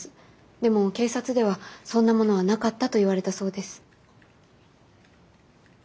でも警察ではそんなものはなかったと言われたそうです。